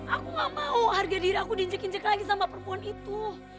aku gak mau harga diri aku diinjak injak lagi sama perempuan itu